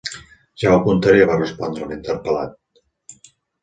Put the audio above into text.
-Ja ho contaré- va respondre l'interpel·lat.